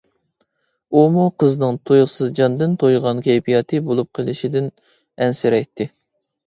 ئۇمۇ قىزنىڭ تۇيۇقسىز جاندىن تويغان كەيپىياتى بولۇپ قىلىشىدىن ئەنسىرەيتتى.